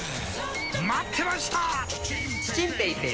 待ってました！